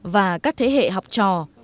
và các thế hệ học trò